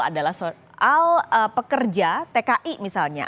adalah soal pekerja tki misalnya